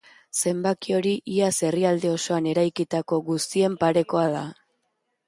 Zenbaki hori iaz herrialde osoan eraikitako guztien parekoa da.